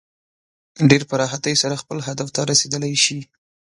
ډېر په راحتۍ سره خپل هدف ته رسېدلی شي.